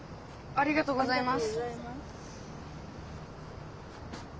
ありがとうございます。